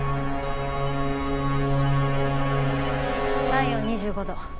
体温２５度。